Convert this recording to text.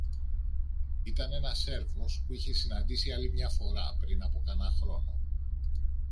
Ήταν ένας Σέρβος που είχε συναντήσει άλλη μια φορά πριν από κάνα χρόνο